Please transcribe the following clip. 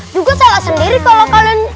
juga salah sendiri kalau kalian